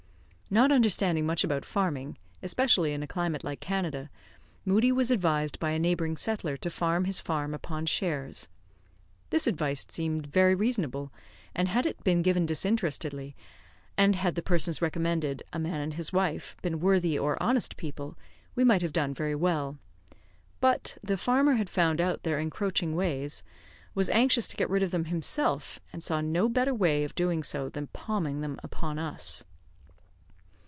Not understanding much about farming, especially in a climate like Canada, Moodie was advised by a neighbouring settler to farm his farm upon shares. This advice seemed very reasonable; and had it been given disinterestedly, and had the persons recommended (a man and his wife) been worthy or honest people, we might have done very well. But the farmer had found out their encroaching ways, was anxious to get rid of them himself, and saw no better way of doing so than by palming them upon us.